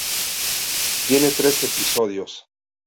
Tiene tres episodios.